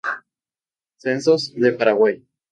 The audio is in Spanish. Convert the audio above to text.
Censos de Paraguay